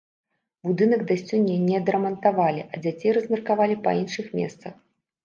Будынак да сёння не адрамантавалі, а дзяцей размеркавалі па іншых месцах.